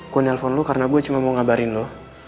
gue nelfon lu karena gue cuma mau ngabarin lu